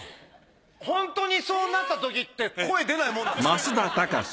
ホントにそうなったときって声出ないもんなんですね。